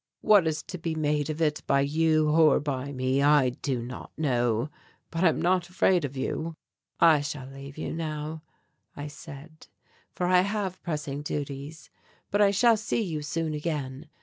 What is to be made of it by you or by me I do not know, but I am not afraid of you." "I shall leave you now," I said, "for I have pressing duties, but I shall see you soon again.